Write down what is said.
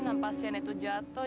dan pasien itu jatuh